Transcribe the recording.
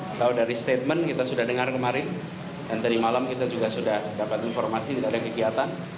atau dari statement kita sudah dengar kemarin dan tadi malam kita juga sudah dapat informasi tidak ada kegiatan